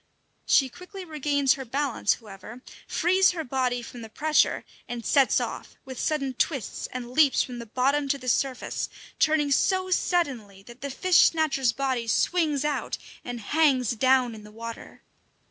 She quickly regains her balance, however, frees her body from the pressure, and sets off, with sudden twists, and leaps from the bottom to the surface, turning so suddenly that the fish snatcher's body swings out and hangs down in the water.